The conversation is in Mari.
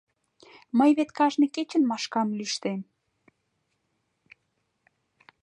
Мый вет кажне кечын Машкам лӱштем.